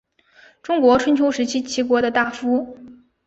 中国春秋时期齐国的大夫。